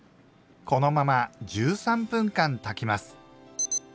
このまま１３分間炊きます。